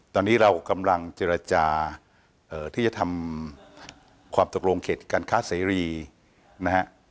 ตอนนี้เรากำลังเจรจาที่จะทำความตกลงเขตการค้าเสรีนะฮะ